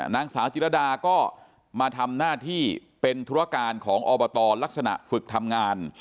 นางสาวจิรดาก็มาทำหน้าที่เป็นธุรการของอบตลักษณะฝึกทำงาน